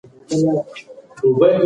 ټکنالوژي به سمه وکارول شي.